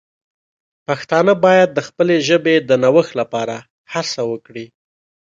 پښتانه باید د خپلې ژبې د نوښت لپاره هڅه وکړي.